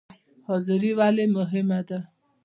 حاضري ولې مهمه ده؟